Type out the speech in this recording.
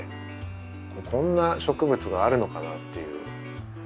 こんな植物があるのかなっていう。